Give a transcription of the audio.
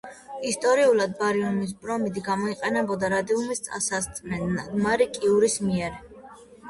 ისტორიულად, ბარიუმის ბრომიდი გამოიყენებოდა რადიუმის გასაწმენდად მარი კიურის მიერ.